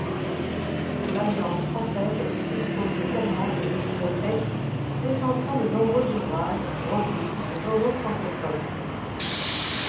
L’Alliance française dispose également d’une bibliothèque présentant de nombreux ouvrages, revues et journaux francophones.